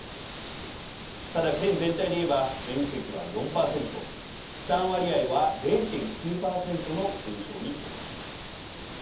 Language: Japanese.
ただ県全体でいえば面積は４％負担割合は０．９％の減少にとどまります。